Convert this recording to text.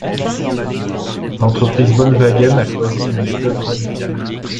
L’entreprise Volkswagen a choisi une méthode radicale.